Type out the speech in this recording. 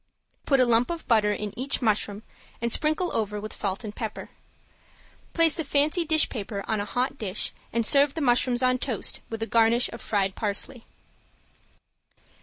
Put a lump of butter in each mushroom and sprinkle over with salt and pepper. Place a fancy dish paper on a hot dish, and serve the mushrooms on toast, with a garnish of fried parsley.